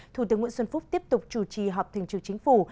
thủ tướng nguyễn xuân phúc tiếp tục chủ trì họp thường trực chính phủ